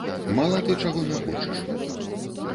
Мала ты чаго не хочаш.